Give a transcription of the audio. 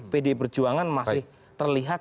pdi perjuangan masih terlihat